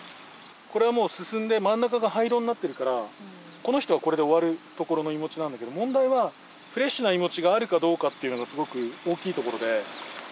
これはもう進んで真ん中が灰色になってるからこのひとはこれで終わるところのいもちなんだけど問題はフレッシュないもちがあるかどうかっていうのがすごく大きいところで。